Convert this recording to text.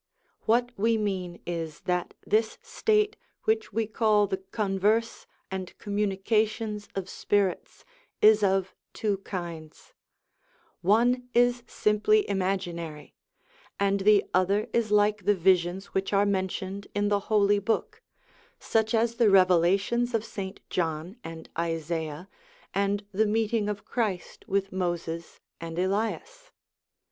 What we mean is that this state, which we call the converse and communications of spirits, is of two kinds : one is simply imaginary, and the other is like the visions which are mentioned in the Holy Book, such as the revelations of St. John and Isaiah and the meeting of Christ with Moses and Elias.